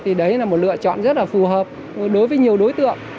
thì đấy là một lựa chọn rất là phù hợp đối với nhiều đối tượng